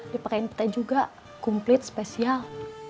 dipakein petai juga kumplit spesial